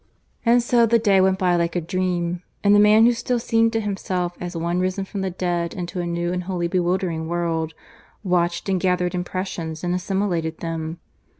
(IV) And so the day went by like a dream; and the man who still seemed to himself as one risen from the dead into a new and wholly bewildering world, watched and gathered impressions and assimilated them.